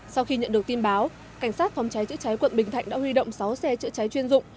sau khi nhận được tin báo cảnh sát phòng cháy chữa cháy quận bình thạnh đã huy động sáu xe chữa cháy chuyên dụng